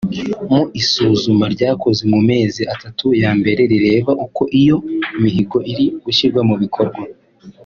Mu isuzuma ryakozwe mu mezi atatu ya mbere rireba uko iyo mihigo iri gushyirwa mu bikorwa